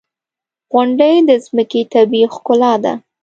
• غونډۍ د ځمکې طبیعي ښکلا ده.